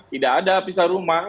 tidak ada pisah rumah